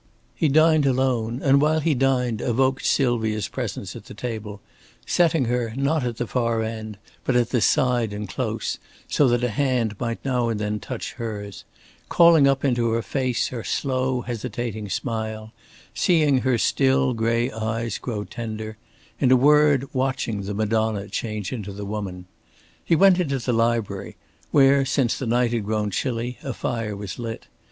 He dined alone, and while he dined evoked Sylvia's presence at the table, setting her, not at the far end, but at the side and close, so that a hand might now and then touch hers; calling up into her face her slow hesitating smile; seeing her still gray eyes grow tender; in a word watching the Madonna change into the woman. He went into the library where, since the night had grown chilly, a fire was lit.